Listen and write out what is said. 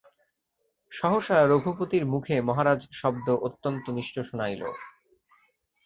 সহসা রঘুপতির মুখে মহারাজ শব্দ অত্যন্ত মিষ্ট শুনাইল।